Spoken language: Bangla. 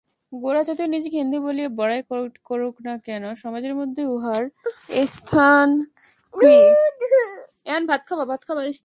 গোরা যতই নিজেকে হিন্দু বলিয়া বড়াই করুক-না কেন, সমাজের মধ্যে উহার স্থান কী!